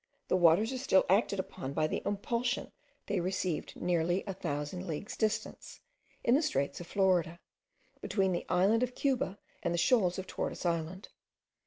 The waters are still acted upon by the impulsion they received near a thousand leagues distance, in the straits of Florida, between the island of Cuba and the shoals of Tortoise Island.